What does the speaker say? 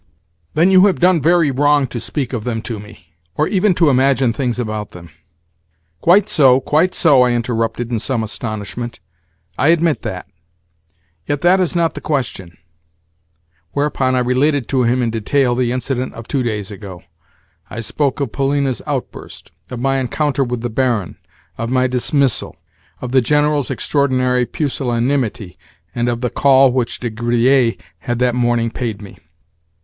"Then you have done very wrong to speak of them to me, or even to imagine things about them." "Quite so, quite so," I interrupted in some astonishment. "I admit that. Yet that is not the question." Whereupon I related to him in detail the incident of two days ago. I spoke of Polina's outburst, of my encounter with the Baron, of my dismissal, of the General's extraordinary pusillanimity, and of the call which De Griers had that morning paid me.